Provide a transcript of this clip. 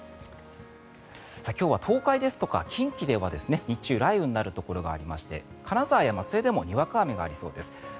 今日は東海ですとか近畿では日中、雷雨になるところがありまして金沢や松江でにわか雨がありそうです。